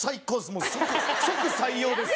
もう即即採用です！